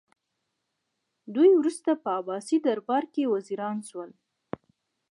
دوی وروسته په عباسي دربار کې وزیران شول